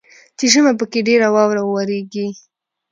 چې ژمي پکښې ډیره واوره اوریږي.